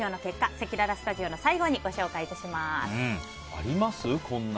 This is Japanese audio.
せきららスタジオの最後にご紹介致します。